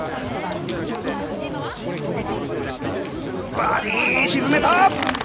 バーディー、沈めた。